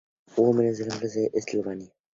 Hubo menos ejemplos en Eslovaquia.